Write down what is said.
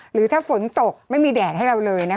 หรือถ้าฝนตกไม่มีแดดให้เราเลยนะคะ